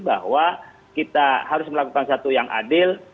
bahwa kita harus melakukan satu yang adil